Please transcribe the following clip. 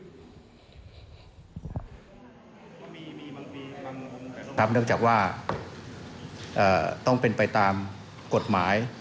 ครับแล้วถ้าว่าต้องเป็นไปตามกฎหมาย